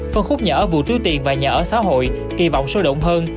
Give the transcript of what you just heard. phần khúc nhà ở vừa túi tiền và nhà ở xã hội kỳ vọng sôi động hơn